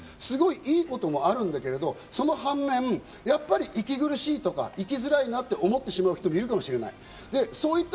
いいこともあるんだけど、その反面、息苦しいとか生きづらいなって思ってしまう人もいるかもしれない。